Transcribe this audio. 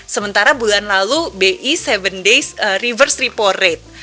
sementara bulan lalu bi tujuh days reverse repo rate